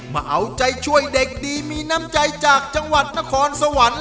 มาเอาใจช่วยเด็กดีมีน้ำใจจากจังหวัดนครสวรรค์